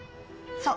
そう！